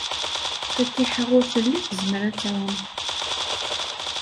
Fatiḥa ur telli tezmer ad tɛum.